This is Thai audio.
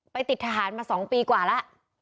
ไปติดทหารมาสองปีกว่าละ